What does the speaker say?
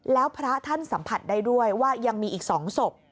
แล้วพระท่านสัมผัสได้ด้วยว่ายังมีอีก๒ศพ